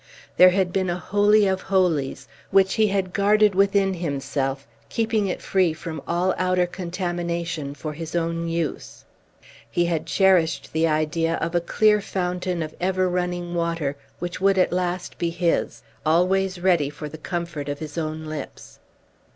There had been a holy of holies, which he had guarded within himself, keeping it free from all outer contamination for his own use. He had cherished the idea of a clear fountain of ever running water which would at last be his, always ready for the comfort of his own lips.